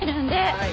はい！